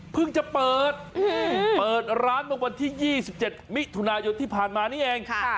จะเปิดเปิดร้านเมื่อวันที่๒๗มิถุนายนที่ผ่านมานี่เอง